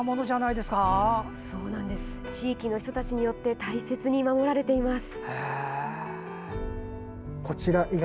地域の人たちによって大切に守られています。